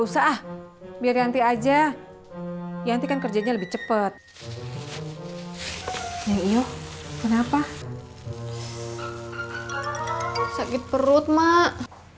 usah biar nanti aja yakin kerjanya lebih cepet yuk kenapa sakit perut mak